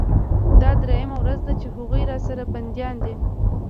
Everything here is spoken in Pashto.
دا درېيمه ورځ ده چې هغوى راسره بنديان دي.